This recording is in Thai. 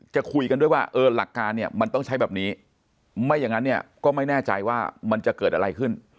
จะคุยกันด้วยว่าเออหลักการเนี่ยมันต้องใช้แบบนี้ไม่อย่างนั้นเนี่ยก็ไม่แน่ใจว่ามันจะเกิดอะไรขึ้น